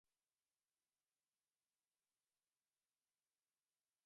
No, kaj hočeš?